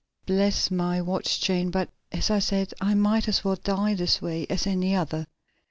"Bless my watch chain, but, as I said, I might as well die this way as any other.